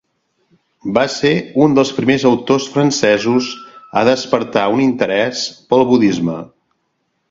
Va ser un dels primers autors francesos a despertar un interès pel budisme.